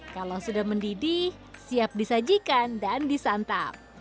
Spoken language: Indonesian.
kalau sudah mendidih siap disajikan dan disantap